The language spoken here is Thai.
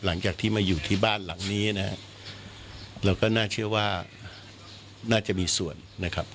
หลังจากที่มาอยู่ที่บ้านหลังนี้นะฮะเราก็น่าเชื่อว่าน่าจะมีส่วนนะครับ